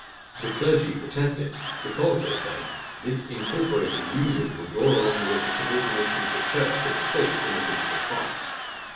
The clergy protested; because, they said, this incorporating union would draw along with it a subordination of the church to the state in the things of Christ.